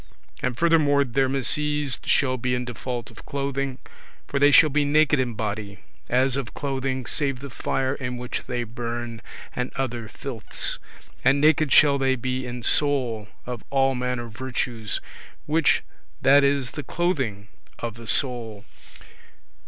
And furthermore, their misease shall be in default of clothing, for they shall be naked in body, as of clothing, save the fire in which they burn, and other filths; and naked shall they be in soul, of all manner virtues, which that is the clothing of the soul.